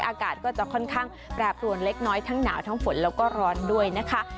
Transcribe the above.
อากาศก็จะค่อนข้างแปรปรวนเล็กน้อยทั้งหนาวทั้งฝนแล้วก็ร้อนด้วยนะคะ